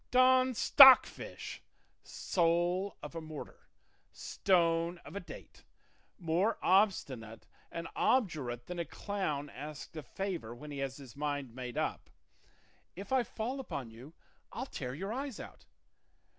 Don Stockfish, soul of a mortar, stone of a date, more obstinate and obdurate than a clown asked a favour when he has his mind made up, if I fall upon you I'll tear your eyes out!